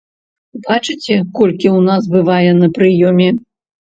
Бачыце, колькі ў нас бывае на прыёме?